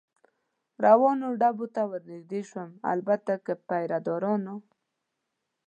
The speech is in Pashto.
روانو ډبو ته ور نږدې شوم، البته که پیره دارانو.